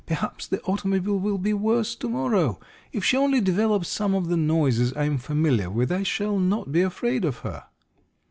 "Perhaps the automobile will be worse to morrow. If she only develops some of the noises I am familiar with I shall not be afraid of her."